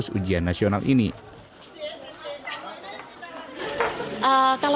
sebagai pengetahuan dari ujian nasional